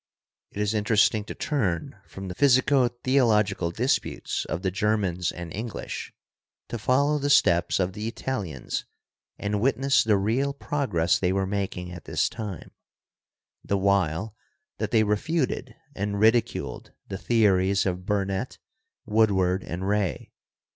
It is interesting to turn from the physico theological disputes of the Germans and English to follow the steps of the Italians and witness the ' real progress they were making at this time, the while that they refuted and ridi culed the theories of Burnet, Woodward and Ray.